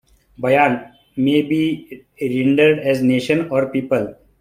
"Bayan" may be rendered as "nation" or "people".